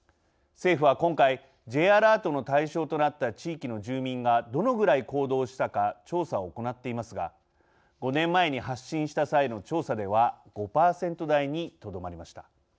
政府は今回、Ｊアラートの対象となった地域の住民がどのぐらい行動したか調査を行っていますが５年前に発信した際の調査では５％台に、とどまりました。